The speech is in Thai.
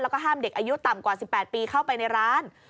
แล้วก็ห้ามเด็กอายุต่ำกว่า๑๘ปีเข้าไปในร้าน